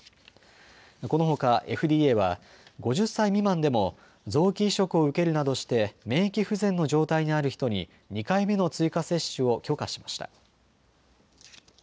このほかＦＤＡは５０歳未満でも臓器移植を受けるなどして免疫不全の状態にある人に２回目の追加接種を許可しました。